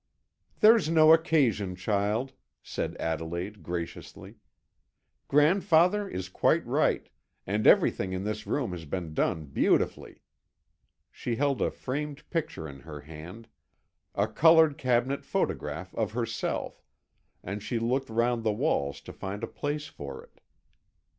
"There's no occasion, child," said Adelaide graciously. "Grandfather is quite right, and everything in this room has been done beautifully." She held a framed picture in her hand, a coloured cabinet photograph of herself, and she looked round the walls to find a place for it.